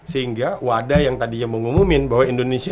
sehingga wada yang tadinya mengumumin bahwa indonesia